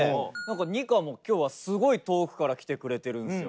ニカも、今日は、すごい遠くから来てくれてるんですよ。